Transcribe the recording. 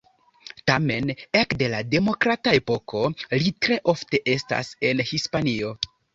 Tamen ekde la demokrata epoko, li tre ofte estas en Hispanio.